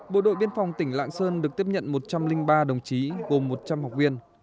bộ đội biên phòng tỉnh lạng sơn được tiếp nhận một trăm linh ba đồng chí gồm một trăm linh học viên